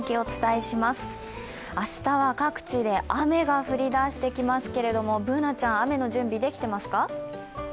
明日は各地で雨が降りだしてきますけれども、Ｂｏｏｎａちゃん、雨の準備できてますか？